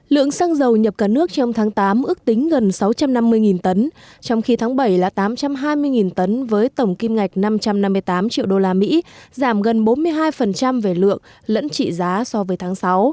lượng xăng dầu nhập cả nước trong tháng tám ước tính gần sáu trăm năm mươi tấn trong khi tháng bảy là tám trăm hai mươi tấn với tổng kim ngạch năm trăm năm mươi tám triệu usd giảm gần bốn mươi hai về lượng lẫn trị giá so với tháng sáu